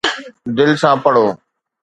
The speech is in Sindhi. دل سان پڙهو